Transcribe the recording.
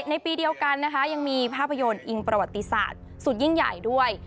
ในปีเดียวกันนะคะยังมีภาพยนตร์อิงประวัติศาสตร์สุดยิ่งใหญ่ด้วย